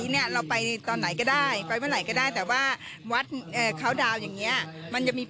น่าสนใจมากกว่าการไปร่วมกิจกรรมเรื่องเริ่มอื่น